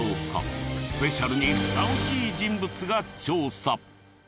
スペシャルにふさわしい人物が調査。